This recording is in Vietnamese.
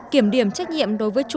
kiểm điểm trách nhiệm đối với chủ